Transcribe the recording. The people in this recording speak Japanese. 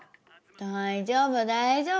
大丈夫大丈夫。